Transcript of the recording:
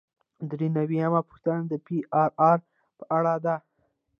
درې نوي یمه پوښتنه د پی آر آر په اړه ده.